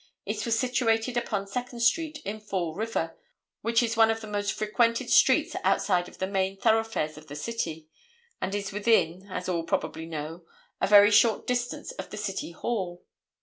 It was situated upon Second street in Fall River, which is one of the most frequented streets outside of the main thoroughfares in the city, and is within, as all probably know, a very short distance of the City Hall.